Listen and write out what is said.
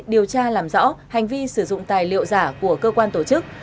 điều tra làm rõ hành vi sử dụng tài liệu giả của cơ quan tổ chức